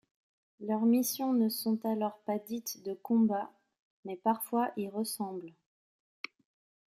Leurs missions ne sont alors pas dites de combat, mais parfois y ressemblent.